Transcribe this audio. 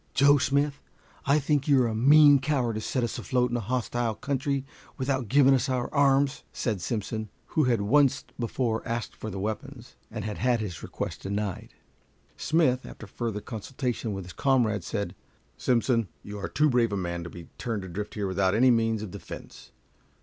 "Joe Smith, I think you are a mean coward to set us afloat in a hostile country without giving us our arms," said Simpson, who had once before asked for the weapons, and had had his request denied. Smith, after further consultation with his comrades, said: "Simpson, you are too brave a man to be turned adrift here without any means of defense.